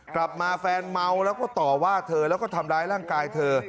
แฟนเมาแล้วก็ต่อว่าเธอแล้วก็ทำร้ายร่างกายเธอ